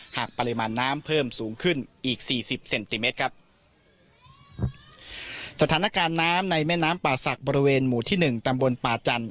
หากปริมาณน้ำเพิ่มสูงขึ้นอีกสี่สิบเซนติเมตรครับสถานการณ์น้ำในแม่น้ำป่าศักดิ์บริเวณหมู่ที่หนึ่งตำบลป่าจันทร์